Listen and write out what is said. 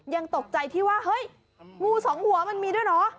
ยังตกใจที่ว่าเฮ้ยงูสองหัวมันมีด้วยเหรอ